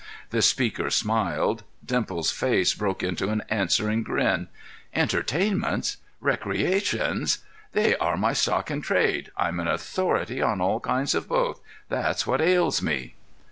The speaker smiled. Dimples's face broke into an answering grin. "'Entertainments!' 'Recreations!' They are my stock in trade. I'm an authority on all kinds of both; that's what ails me."